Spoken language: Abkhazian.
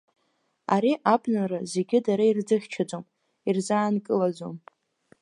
Ари абнара зегьы дара ирзыхьчаӡом, ирзаанкылаӡом…